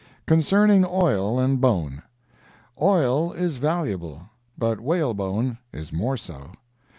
CONCERNING OIL AND BONE Oil is valuable, but whalebone is more so.